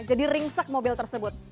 jadi ringsak mobil tersebut